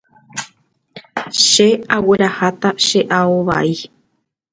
Che aguerahata che ao vai.